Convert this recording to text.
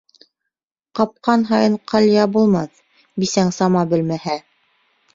Ҡапҡан һайын ҡалъя булмаҫ, бисәң сама белмәһә.